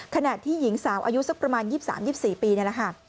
ขณะที่หญิงสาวอายุสักประมาณ๒๓๒๔ปีนี่แหละค่ะ